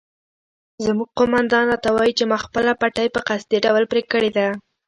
زموږ قومندان راته وایي چې ما خپله پټۍ په قصدي ډول پرې کړې ده.